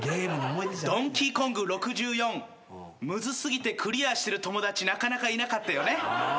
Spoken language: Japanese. むずすぎてクリアしてる友達なかなかいなかったよね。